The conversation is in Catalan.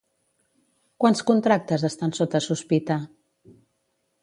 Quants contractes estan sota sospita?